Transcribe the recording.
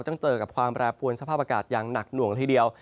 ต้องเจอกับความแปรปวนสภาพอากาศอย่างหนักหน่วงละทีเดียว